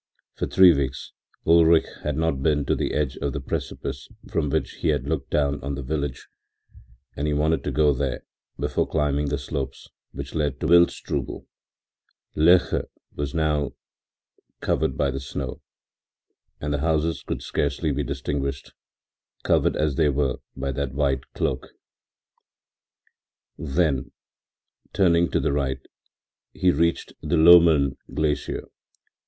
For three weeks Ulrich had not been to the edge of the precipice from which he had looked down on the village, and he wanted to go there before climbing the slopes which led to Wildstrubel. Loeche was now also covered by the snow and the houses could scarcely be distinguished, covered as they were by that white cloak. Then, turning to the right, he reached the Loemmern glacier.